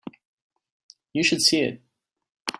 You should see it.